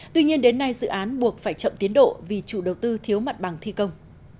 tuy nhiên đến nay dự án buộc phải chậm tiến độ vì chủ đầu tư thiếu mặt bằng thi công